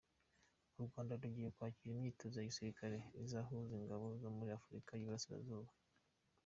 U Rwanda rugiye kwakira imyitozo ya gisirikare izahuza ingabo zo muri afurica yiburasira zuba